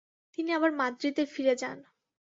তিনি আবার মাদ্রিদে ফিরে যান।